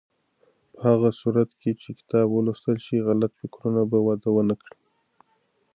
په هغه صورت کې چې کتاب ولوستل شي، غلط فکرونه به وده ونه کړي.